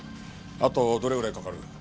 あとどれぐらいかかる？